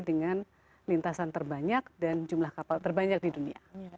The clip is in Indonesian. dengan lintasan terbanyak dan jumlah kapal terbanyak di dunia